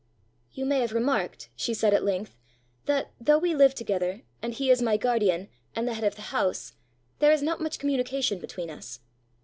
"You may have remarked," she said at length, "that, though we live together, and he is my guardian, and the head of the house, there is not much communication between us."